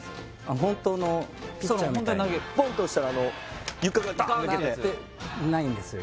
本当のピッチャーみたいにポンって押したら床がダン抜けて・ないんですよ